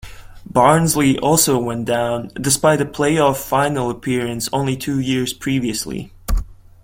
Barnsley also went down, despite a play-off final appearance only two years previously.